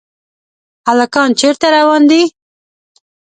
هلکان چېرته روان دي ؟